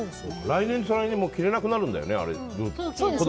来年、再来年も着れなくなるんだよね。